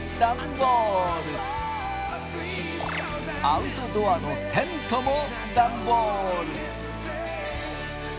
アウトドアのテントもダンボール。